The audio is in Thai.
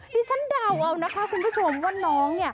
ดิฉันดาวน่าวนะคะคุณผู้ชมว่าน้อง